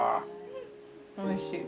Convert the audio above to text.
おいしい。